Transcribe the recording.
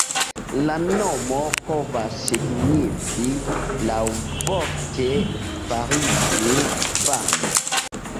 La nomo povas signifi laŭvorte "fariĝu fama".